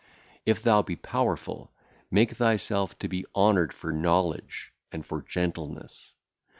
If thou be powerful, make thyself to be honoured for knowledge and for gentleness.